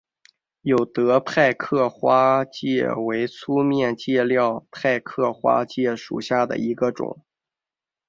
有德派克花介为粗面介科派克花介属下的一个种。